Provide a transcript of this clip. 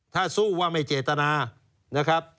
ถ้าสู้ว่าไม่เจตนา